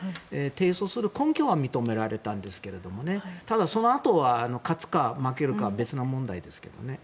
提訴する根拠は認められたんですけどただ、そのあと勝つか負けるかは別問題ですけどね。